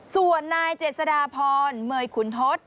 ส่วนนายเจษฎาพรเมยขุนทศ